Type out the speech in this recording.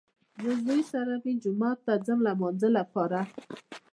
زه زوی سره مې جومات ته ځم د لمانځه لپاره